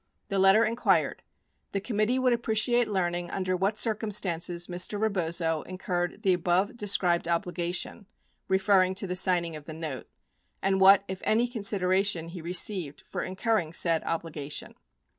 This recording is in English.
The letter inquired : The Committee would appreciate learning under what cir cumstances Mr. Rebozo incurred the above described obliga tion [referring to the signing of the note] and what, if any, consideration he received for incurring said obligation.